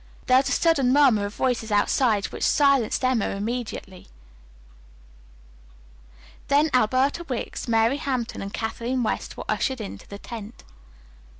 There was a sudden murmur of voices outside which silenced Emma immediately. Then Alberta Wicks, Mary Hampton and Kathleen West were ushered into the tent.